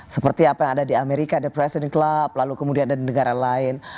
seperti apa yang ada di amerika ada president club lalu kemudian ada di negara lain